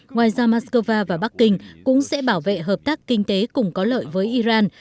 ngoài ra moscow và bắc kinh cũng sẽ bảo vệ hợp tác kinh tế cùng có lợi với iran